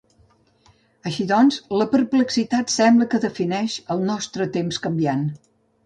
Així doncs, la perplexitat sembla que defineix el nostre temps canviant.